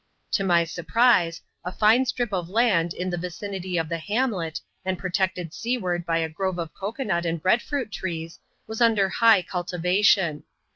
To my surprise, a fine strip of land in the vicinity of the hamlet, and protected seaward hy a grove of cocoa nut and bread fruit trees, was under high cultivation.